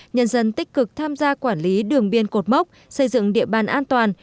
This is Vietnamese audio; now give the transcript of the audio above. nhân dân tích cực tham gia quản lý đường biên cột mốc xây dựng địa bàn an toàn